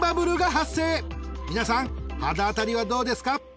［皆さん肌当たりはどうですか？］